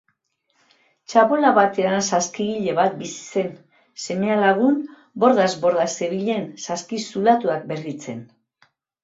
Txabola batean saskigile bat bizi zen; semea lagun, bordaz borda zebilen, saski zulatuak berritzen.